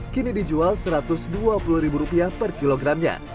kini dijual rp satu ratus dua puluh per kilogramnya